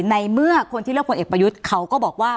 ในเมื่อคนที่เลือกผลเอกประยุทธ์เขาก็บอกว่า